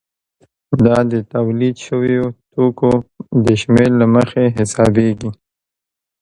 دا د تولید شویو توکو د شمېر له مخې حسابېږي